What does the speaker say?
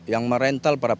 yang merental para pemain